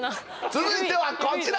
続いてはこちら！